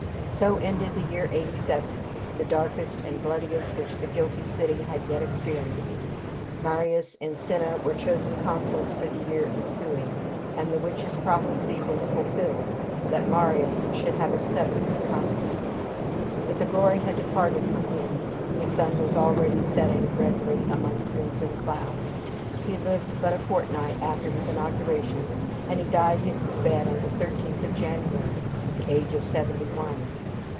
So ended the year 87, the darkest and bloodiest which the guilty city had yet experienced. Marius and Cinna were chosen consuls for the year ensuing, and a witches' prophecy was fulfilled, that Marius should have a seventh consulate. But the glory had departed from him. His sun was already setting, redly, among crimson clouds. He lived but a fortnight after his inauguration, and he died in his bed on the 13th of January, at the age of seventy one.